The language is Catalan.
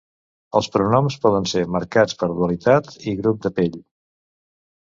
Els pronoms poden ser marcats per dualitat i grup de pell.